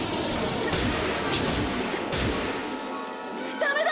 ダメだ！